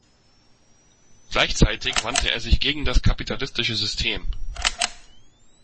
Gleichzeitig wandte er sich gegen das kapitalistische System.